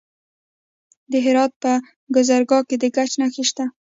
د هرات په ګذره کې د ګچ نښې شته.